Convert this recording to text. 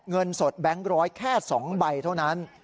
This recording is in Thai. เงินสดแบงค์ร้อยแค่๒ใบเท่านั้น